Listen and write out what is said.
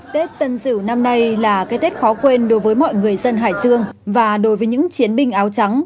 tết tân diểu năm nay là cái tết khó quên đối với mọi người dân hải dương và đối với những chiến binh áo trắng